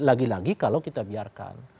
lagi lagi kalau kita biarkan